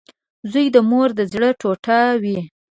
• زوی د مور د زړۀ ټوټه وي.